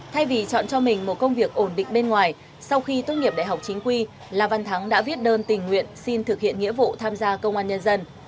thay vì chọn cho mình một công việc ổn định bên ngoài sau khi tốt nghiệp đại học chính quy là văn thắng đã viết đơn tình nguyện xin thực hiện nghĩa vụ tham gia công an nhân dân